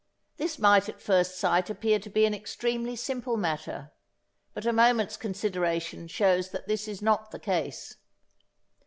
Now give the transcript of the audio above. This might at first sight appear to be an extremely simple matter, but a moment's consideration shows that this is not the case.